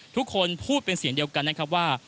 ทุกคนพูดเป็นเสียงเดียวกันนะครับว่า